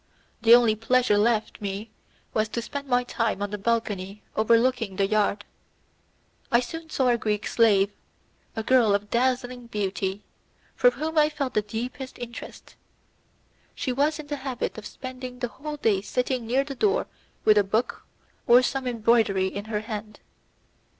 The only pleasure left me was to spend my time on the balcony overlooking the yard. I soon saw a Greek slave, a girl of dazzling beauty, for whom I felt the deepest interest. She was in the habit of spending the whole day sitting near the door with a book or some embroidery in her hand.